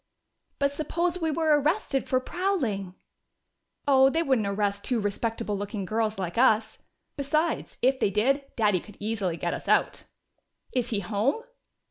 "But suppose we were arrested for prowling?" "Oh, they wouldn't arrest two respectable looking girls like us! Besides, if they did, Daddy could easily get us out." "Is he home?"